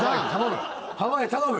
濱家頼む！